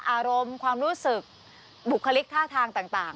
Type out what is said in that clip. อารมณ์ความรู้สึกบุคลิกท่าทางต่าง